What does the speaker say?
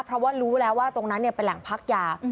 เพราะว่ารู้แล้วว่าตรงนั้นเป็นแหล่งพักยา